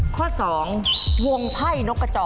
ข้อสองวงไพ่นกระจ่อ